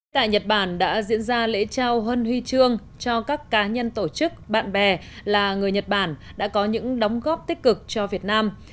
tại nhật bản đã diễn ra lễ trao huân huy trương cho các cá nhân tổ chức bạn bè là người nhật bản đã có những đóng góp tích cực cho việt nam